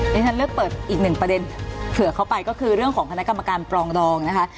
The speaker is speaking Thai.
ที่ฉันเลือกเปิดอีกหนึ่งประเด็นเผื่อเข้าไปก็คือเรื่องของคณะกรรมการปรองดองนะคะ